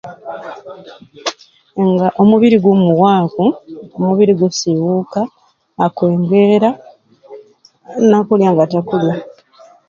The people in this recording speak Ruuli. Nga omubiri gu muwaaku, omubiri gu kusiiwuuka, akukendeera n'okulya nga takulya.